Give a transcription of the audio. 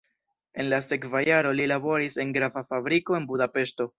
En la sekva jaro li laboris en grava fabriko en Budapeŝto.